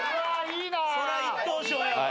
そりゃ１等賞やわ。